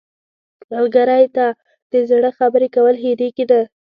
ملګری ته د زړه خبرې کول هېرېږي نه